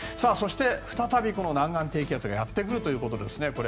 そして、再び南岸低気圧がやってくるということですね。